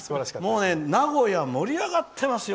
もう名古屋は盛り上がってますよ。